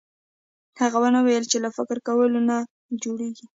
هغه ونه ويل چې له فکر کولو څه نه جوړېږي.